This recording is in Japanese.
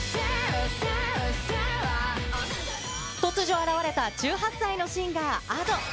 突如現れた１８歳のシンガー、Ａｄｏ。